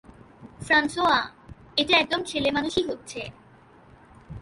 François, এটা একদম ছেলেমানুষি হচ্ছে।